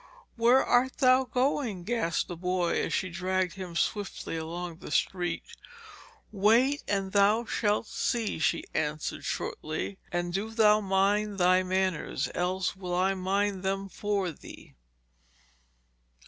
'Where art thou going?' gasped the boy as she dragged him swiftly along the street. 'Wait and thou shalt see,' she answered shortly; 'and do thou mind thy manners, else will I mind them for thee.'